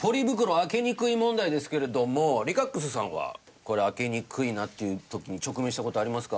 開けにくい問題ですけれどもＬｉｃａｘｘｘさんはこれ開けにくいなっていう時に直面した事ありますか？